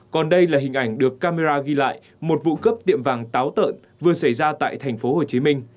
còn đây là hình ảnh được camera ghi lại một vụ cướp tiệm vàng táo tợn vừa xảy ra tại tp hcm